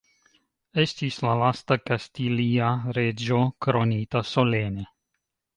Estis la lasta kastilia reĝo kronita solene.